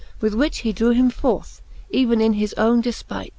With which he drew him forth, even in his own delpight.